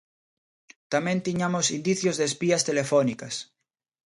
Tamén tiñamos indicios de espías telefónicas.